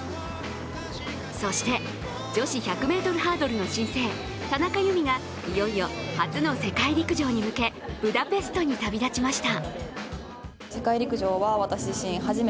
そして、女子１００ｍハードルの新星・田中佑美がいよいよ初の世界陸上に向けブダペストに旅立ちました。